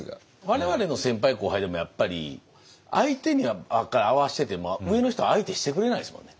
我々の先輩後輩でもやっぱり相手にばっかり合わせてても上の人は相手してくれないですもんね。